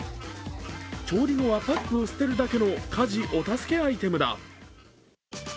調理後はパックを捨てるだけの家事お助けアイテムだ。